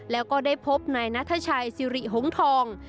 แล้วก็ได้พบนายนัทชัยสิริหงทอง